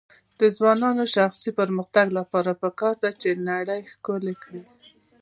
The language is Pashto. د ځوانانو د شخصي پرمختګ لپاره پکار ده چې نړۍ ښکلی کړي.